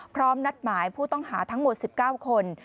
พร้อมนัดหมายผู้ต้องหาทั้งหมด๑๙คน